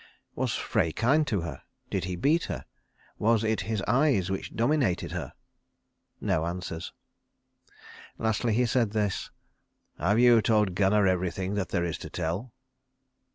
Was Frey kind to her? Did he beat her? Was it his eyes which dominated her? No answers. Lastly he said this: "Have you told Gunnar everything that there is to tell?"